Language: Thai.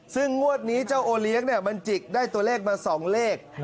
ซึ่งงวดนี้เจ้าโอเลี้ยงบรรจิกได้ตัวเลขมา๒เลข